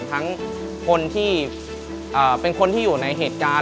ทั้งคนที่เป็นคนที่อยู่ในเหตุการณ์